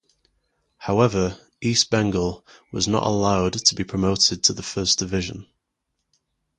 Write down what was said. However, East Bengal was not allowed to be promoted to the First Division.